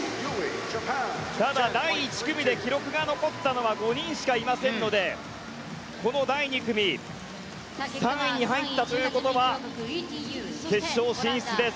ただ、第１組で記録が残ったのは５人しかいませんのでこの第２組３位に入ったということは決勝進出です。